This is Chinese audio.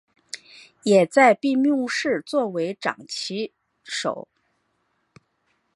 也在闭幕式作为掌旗手。